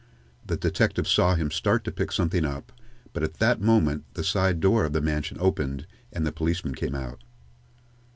The detective saw him start to pick something up, but at that moment the side door of the mansion opened and the policeman came out.